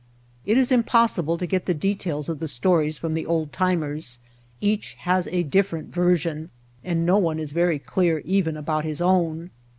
It is impossible to get the details of the stories from the old timers, each has a different version and no one is very clear even about his own.